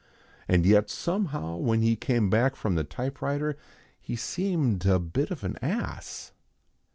And yet somehow when he came back from the typewriter he seemed a bit of an ass.